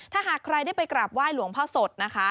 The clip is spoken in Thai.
ถ้าหากใครได้ไปกราบไหว้หลวงพ่อสดนะคะ